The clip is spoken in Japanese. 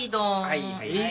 はいはい。